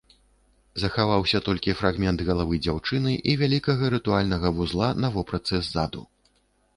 Захаваўся толькі фрагмент галавы дзяўчыны і вялікага рытуальнага вузла на вопратцы ззаду.